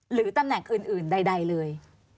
หรือตำแหน่งอื่นใดเลย